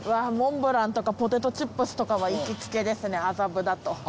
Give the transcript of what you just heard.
モンブランとかポテトチップスとかは行きつけですね麻布だと。